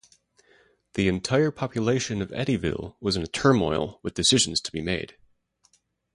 The entire population of Eddyville was in a turmoil with decisions to be made.